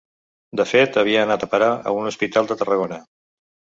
De fet havia anat a parar a un hospital de Tarragona